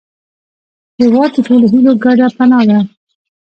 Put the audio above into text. هېواد د ټولو هیلو ګډه پناه ده.